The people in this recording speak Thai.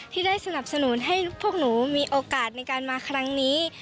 ที่ได้สนับสนุนให้พวกหนูมีโอกาสในการมาครั้งนี้